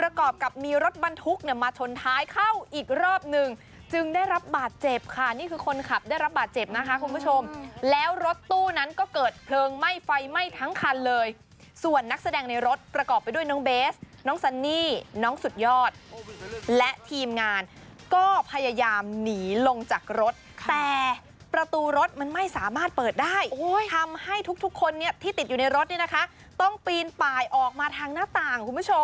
ประกอบกับมีรถบรรทุกเนี่ยมาชนท้ายเข้าอีกรอบนึงจึงได้รับบาดเจ็บค่ะนี่คือคนขับได้รับบาดเจ็บนะคะคุณผู้ชมแล้วรถตู้นั้นก็เกิดเพลิงไหม้ไฟไหม้ทั้งคันเลยส่วนนักแสดงในรถประกอบไปด้วยน้องเบสน้องสันนี่น้องสุดยอดและทีมงานก็พยายามหนีลงจากรถแต่ประตูรถมันไม่สามารถเปิดได้ทำให้ทุกคนน